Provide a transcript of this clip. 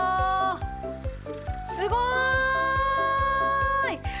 すごーい！